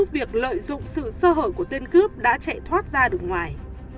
việc lợi dụng sự sơ hở của tên cướp đã chạy thoát ra được ngoài